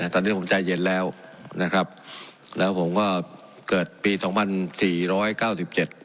ตอนนี้ผมใจเย็นแล้วนะครับแล้วผมก็เกิดปีสองพันสี่ร้อยเก้าสิบเจ็ด